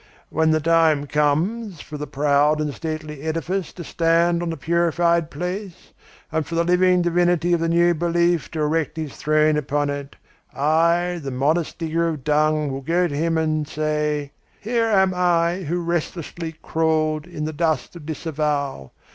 When the time comes for the proud and stately edifice to stand on the purified place, and for the living divinity of the new belief to erect his throne upon it, I, the modest digger of dung, will go to him and say: 'Here am I who restlessly crawled in the dust of disavowal.